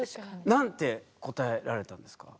何て答えられたんですか？